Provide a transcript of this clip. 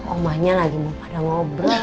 omahnya lagi mau pada ngobrol